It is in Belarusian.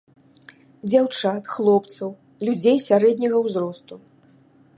Дзяўчат, хлопцаў, людзей сярэдняга ўзросту.